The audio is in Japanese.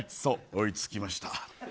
追いつきました。